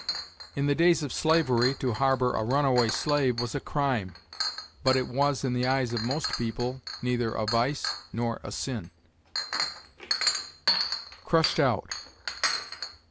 In the days of slavery, to harbor a runaway slave was a crime, but it was, in the eyes of most people, neither a vice nor a sin. CRUSHED OUT.